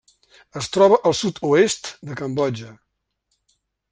Es troba al sud-oest de Cambodja.